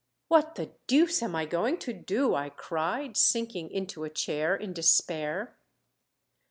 "What the deuce am I going to do?" I cried, sinking into a chair in despair.